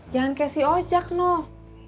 jangan kaya si ojak noh